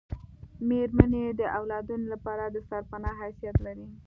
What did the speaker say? میرمنې د اولادونو لپاره دسرپنا حیثیت لري